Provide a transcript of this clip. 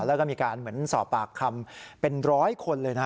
แล้วก็มีการเหมือนสอบปากคำเป็นร้อยคนเลยนะ